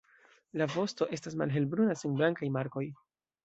La vosto estas malhelbruna sen blankaj markoj.